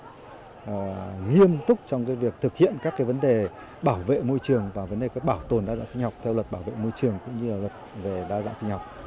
nghiêm túc trong việc thực hiện các cái vấn đề bảo vệ môi trường và vấn đề bảo tồn đa dạng sinh học theo luật bảo vệ môi trường cũng như là luật về đa dạng sinh học